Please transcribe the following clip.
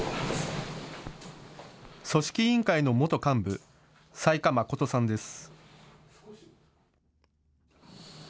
組織委員会の元幹部、雑賀真さんです。